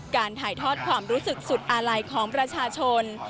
การถ่ายทอดความรู้สึกสุดอาลัยของประชาชน